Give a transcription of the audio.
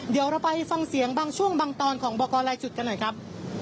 เดี๋ยวเราไปฟังเสียงบางช่วงบางตอนของบอกกรลายจุดกันหน่อยครับ